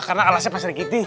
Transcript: karena alasnya pak sergiti